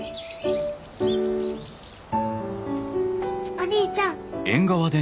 お兄ちゃん。